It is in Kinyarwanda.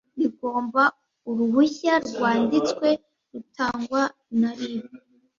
bigomba uruhushya rwanditswe rutangwa na rib